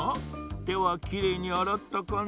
てはきれいにあらったかな？